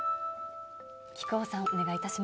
木久扇さん、お願いいたし